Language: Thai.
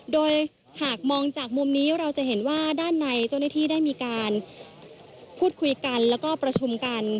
โดยหากมองจากมุมนี้เราจะเห็นว่าด้านในเจ้าหน้าที่ได้มีการพูดคุยกันแล้วก็ประชุมกัน